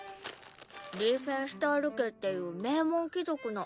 リーフェンシュタール家っていう名門貴族の。